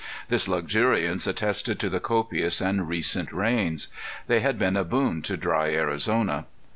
This luxuriance attested to the copious and recent rains. They had been a boon to dry Arizona.